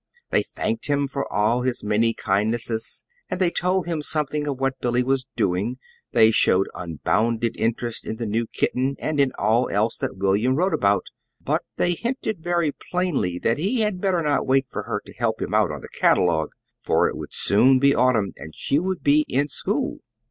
They thanked him for all his many kindnesses, and they told him something of what Billy was doing. They showed unbounded interest in the new kitten, and in all else that William wrote about; but they hinted very plainly that he had better not wait for her to help him out on the catalogue, for it would soon be autumn, and she would be in school.